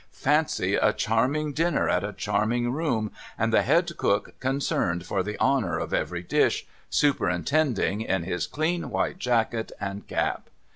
Fancy a charming dinner, in a charming room, and the head cook, concerned for the honour of every dish, superintending in his clean white jacket and cap.